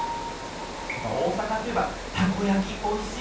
おおさかといえばたこやきおいしいよね。